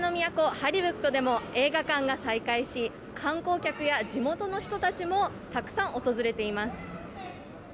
ハリウッドでも映画館が再開し観光客や地元の人たちもたくさん訪れています。